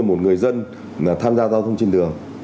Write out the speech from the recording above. một người dân tham gia giao thông trên đường